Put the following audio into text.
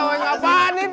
ya lihat aja itu